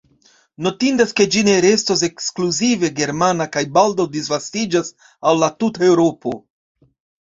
Notindas ke ĝi ne restos ekskluzive germana kaj baldaŭ disvastiĝas al la tuta Eŭropo.